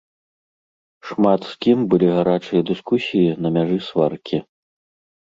Шмат з кім былі гарачыя дыскусіі на мяжы сваркі.